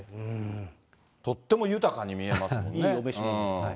とっても豊かに見えますもんね。